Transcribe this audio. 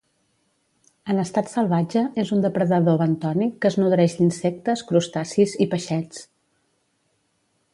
En estat salvatge, és un depredador bentònic que es nodreix d'insectes, crustacis i peixets.